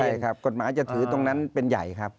ใช่ครับกฎหมายจะถือตรงนั้นเป็นใหญ่ครับ